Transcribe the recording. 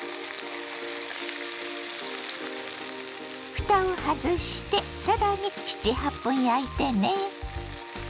ふたを外してさらに７８分焼いてね。